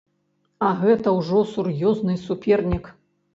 А гэта ўжо сур'ёзны супернік.